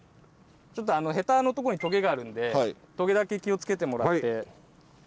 ちょっとヘタのとこにとげがあるんでとげだけ気をつけてもらって。